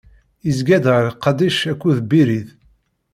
izga-d gar Qadic akked Birid.